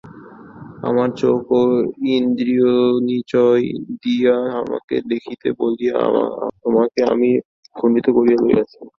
আমার চোখ এবং ইন্দ্রিয়নিচয় দিয়া তোমাকে দেখিব বলিয়া তোমাকে আমি খণ্ডিত করিয়া লইয়াছি।